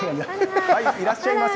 いらっしゃいませ。